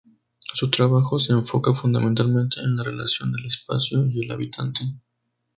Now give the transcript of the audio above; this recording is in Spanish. Su trabajo se enfoca fundamentalmente en la relación del espacio y el habitante.